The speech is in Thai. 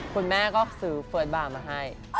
คุณแม่ก็ซื้อเฟิร์สบาร์มาให้